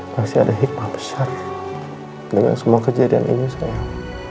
masih ada hikmah besar dengan semua kejadian ini sayang